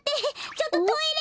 ちょっとトイレ！